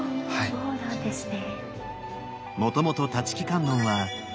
そうなんですね。